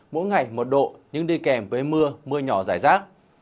mỗi ngày một độ nhưng đi kèm với mưa mưa nhỏ rải rác